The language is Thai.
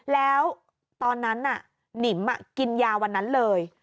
แล้วตอนนั้นน่ะหนิมกินยาวันนั้นเลย